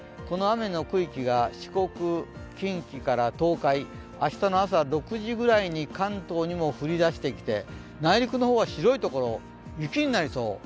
この雨の区域が四国、近畿から東海明日の朝６時ぐらいに関東にも降りだしてきて内陸の方は白い所、雪になりそう。